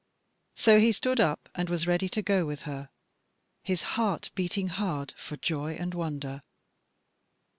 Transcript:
So he stood up and was ready to go with her, his heart beating hard for joy and wonder.